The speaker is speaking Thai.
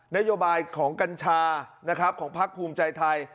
นโยบายของกัญชาของพรรคภูมิใจไทย